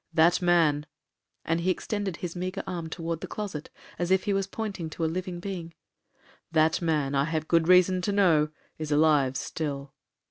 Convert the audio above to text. That man,' and he extended his meagre arm toward the closet, as if he was pointing to a living being; 'that man, I have good reason to know, is alive still.'